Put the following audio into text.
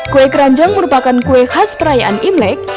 kue keranjang merupakan kue khas perayaan imlek